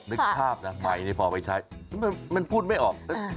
นึกภาพนะใบนี้พอไปใช้มันพูดไม่ออก